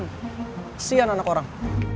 kesian anak orang